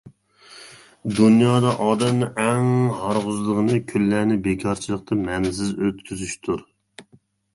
دۇنيادا ئادەمنى ئەڭ ھارغۇزىدىغىنى كۈنلەرنى بىكارچىلىقتا مەنىسىز ئۆتكۈزۈشتۇر.